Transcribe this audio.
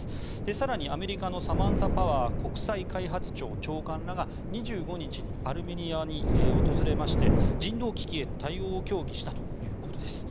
更にアメリカのサマンサ・パワー国際開発庁長官らが２５日にアルメニアに訪れまして人道危機への対応を協議したということです。